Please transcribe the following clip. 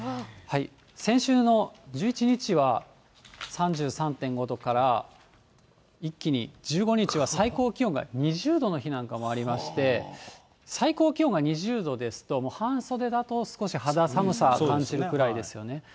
先週の１１日は、３３．５度から、一気に１５日は最高気温が２０度の日なんかもありまして、最高気温が２０度ですと、もう半袖だと少し肌寒さを感じるくらいですよね。